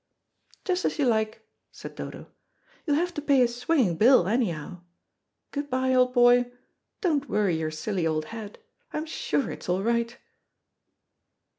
"Just as you like," said Dodo. "You'll have to pay a swinging bill anyhow. Good bye, old boy. Don't worry your silly old head. I'm sure it's all right."